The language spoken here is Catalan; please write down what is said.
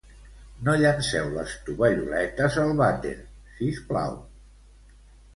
No llenceu les tovalloletes al vàter sisplau